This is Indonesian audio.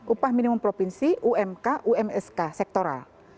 upah minimum provinsi umk umsk sektoral